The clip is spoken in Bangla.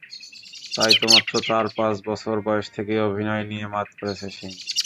তাই তো মাত্র চার–পাঁচ বছর বয়স থেকেই অভিনয় দিয়ে মাত করেছে সে।